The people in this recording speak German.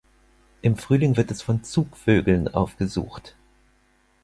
Im Frühling wird es von Zugvögeln aufgesucht.